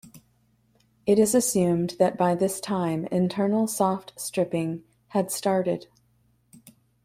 It is assumed that by this time internal soft-stripping had started.